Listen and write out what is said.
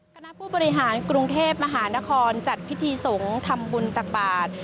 คณะผู้บริหารกรุงเทพมหานครจัดพิธีสงฆ์ทำบุญตักบาท